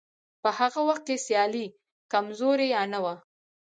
په هغه وخت کې سیالي کمزورې یا نه وه.